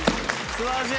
素晴らしい。